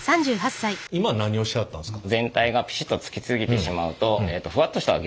今何をしてはったんですか？